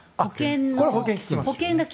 これは保険が利きます。